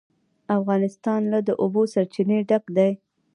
افغانستان له د اوبو سرچینې ډک دی.